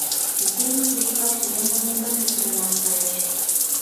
Якимын кужу капше еҥ-влак йымаке пуренат кайыш.